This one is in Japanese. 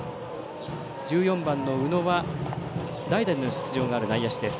１４番の宇野は代打の出場がある内野手です。